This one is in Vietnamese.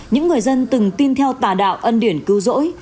những người dân từng tin theo tà đạo ân điển cứu rỗi